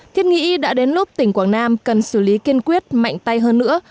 thiết nghĩ đã đến lúc tỉnh quảng nam cần xử lý kiên quyết mạnh tay hơn nữa